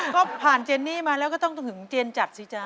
ก็ผ่านเจนนี่มาแล้วก็ต้องถึงเจนจัดสิจ๊ะ